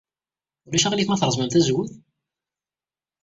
Ulac aɣilif ma treẓmem tazewwut?